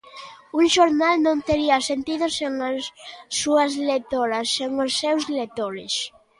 Un xornal non tería sentido sen as súas lectoras, sen os seus lectores.